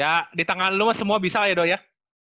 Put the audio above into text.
ya di tangan lu semua bisa aja do ya